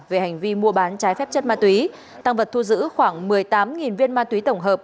về hành vi mua bán trái phép chất ma túy tăng vật thu giữ khoảng một mươi tám viên ma túy tổng hợp